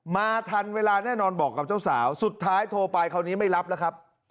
มาทันเวลาแน่นอนบอกกับเจ้าสาวสุดท้ายโทรไปคราวนี้ไม่รับแล้วครับ